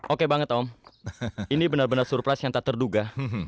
oke banget om ini benar benar surprise yang tak terduga